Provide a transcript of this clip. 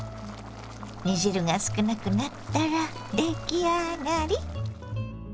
煮汁が少なくなったら出来上がり。